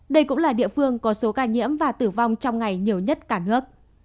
đây cũng là địa phương có số ca nhiễm và tử vong trong ngày nhiều nhất cả nước